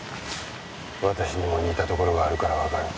私にも似たところがあるからわかる。